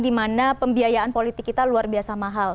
dimana pembiayaan politik kita luar biasa mahal